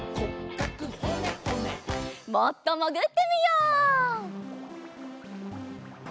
もっともぐってみよう。